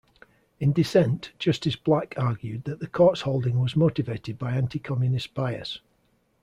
In dissent, Justice Black argued that the Court's holding was motivated by anti-communist bias.